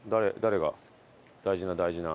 大事な大事な。